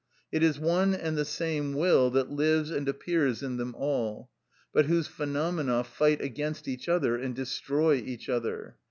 It is one and the same will that lives and appears in them all, but whose phenomena fight against each other and destroy each other.